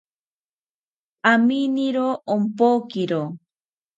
Aminiro ompokiro